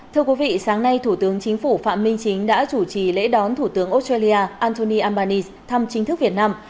thưa quý vị sáng nay thủ tướng chính phủ phạm minh chính đã chủ trì lễ đón thủ tướng australia anthony albanese thăm chính thức việt nam